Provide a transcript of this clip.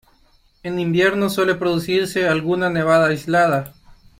En invierno suele producirse alguna nevada aislada.